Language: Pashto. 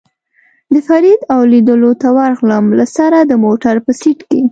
د فرید او لېدلو ته ورغلم، له سره د موټر په سېټ کې.